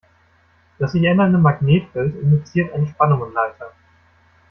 Das sich ändernde Magnetfeld induziert eine Spannung im Leiter.